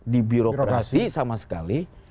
di birokrasi sama sekali